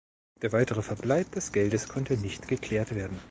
Der weitere Verbleib des Geldes konnte nicht geklärt werden.